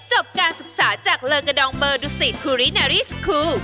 จบการศึกษาจากเลอกระดองเบอร์ดูสิตคูรินารีสคู